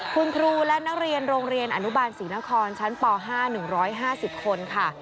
คุณครูและนักเรียนโรงเรียนอนุบาลศรีนครชั้นป๕๑๕๐คนค่ะ